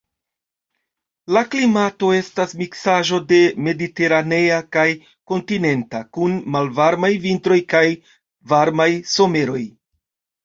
La klimato estas miksaĵo de mediteranea kaj kontinenta, kun malvarmaj vintroj kaj varmaj someroj.